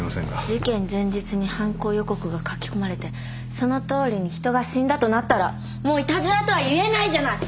事件前日に犯行予告が書き込まれてそのとおりに人が死んだとなったらもういたずらとは言えないじゃない。